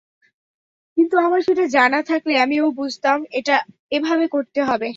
কিন্তু আমার সেটা জানা থাকলে আমিও বুঝতাম, এটা এভাবে করতে হবে।